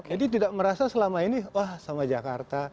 jadi tidak merasa selama ini wah sama jakarta